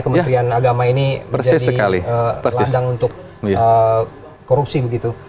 kementerian agama ini menjadi ladang untuk korupsi begitu